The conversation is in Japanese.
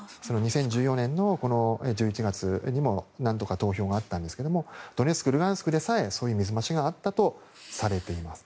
２０１４年の１１月にも投票があったんですけどドネツク、ルガンスクでさえ水増しがあったとされています。